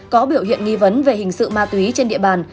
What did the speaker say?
có biểu hiện nghi vấn về hình sự ma túy trên địa bàn